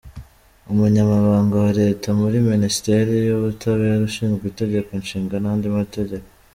Umunyamabanga wa Leta muri Minisiteri y’Ubutabera ushinzwe Itegeko Nshinga n’andi Mategeko.